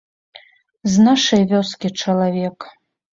З нашай вёскі чалавек.